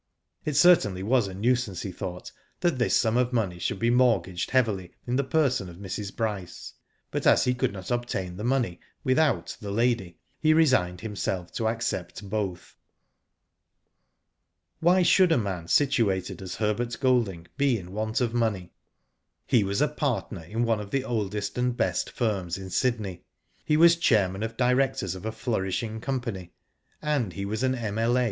It certainly was a nuisance, he thought, that this sum of money should be mortgaged heavily in the person of Mrs. Bryce, but as he could not obtaiii the money without the lady, he resigned himself to accept both. Why should a man situated as Herbert Golding was be in want of money? He was a partner in one of the oldest and best firms in Sydney. He was chairman of directors of a flourishing company, and he was an M.L.A.